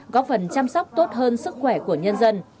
góp phần chăm sóc tốt hơn sức khỏe của nhân dân